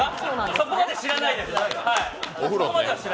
そこまでは知らないです。